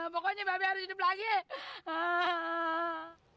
pokoknya mbak mbak harus hidup lagi